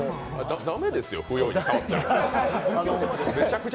駄目ですよ、不用意に触っちゃ。